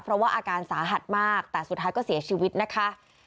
เพราะว่าอาการสาหัสมากแต่สุดท้ายก็เสียชีวิตนะคะ